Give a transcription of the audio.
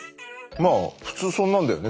まあ普通そんなんだよね。